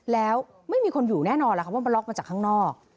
แล้วไม่มีคนอยู่แน่นอนแล้วครับว่ามันล็อกมาจากข้างนอก